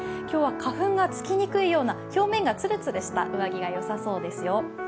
今日は花粉がつきにくいような、表面がつるつるした上着がよさそうですよ。